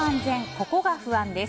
ここが不安です。